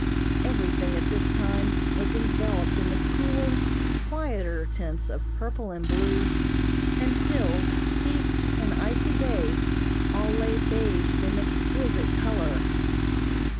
Everything, at this time, was enveloped in the cooler, quieter tints of purple and blue, and hills, peaks, and icy bay all lay bathed in exquisite color.